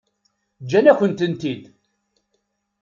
Ǧǧan-akent-ten-id.